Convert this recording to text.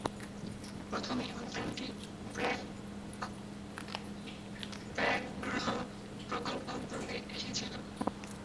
প্রথম এই উদ্যানটি ব্যাঘ্র প্রকল্প উদ্যোগে এসেছিল।